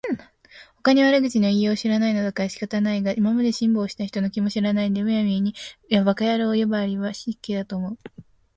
ほかに悪口の言いようを知らないのだから仕方がないが、今まで辛抱した人の気も知らないで、無闇に馬鹿野郎呼ばわりは失敬だと思う